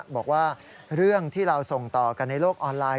บอกว่าเรื่องที่เราส่งต่อกันในโลกออนไลน